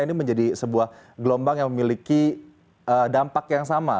ini menjadi sebuah gelombang yang memiliki dampak yang sama